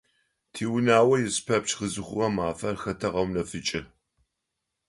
Тиунагъо ис пэпчъ къызыхъугъэ мафэр хэтэгъэунэфыкӀы.